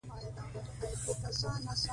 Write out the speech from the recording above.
د ژمي په موسم کي هوا سړه وي